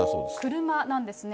車なんですね。